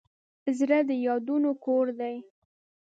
زړه د یادونو کور دی.